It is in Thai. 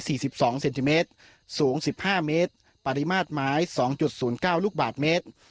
สิบสองเซนติเมตรสูงสิบห้าเมตรปริมาตรไม้สองจุดศูนย์เก้าลูกบาทเมตร